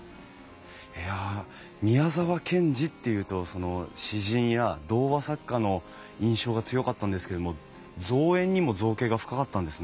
いや宮沢賢治っていうと詩人や童話作家の印象が強かったんですけれども造園にも造詣が深かったんですね。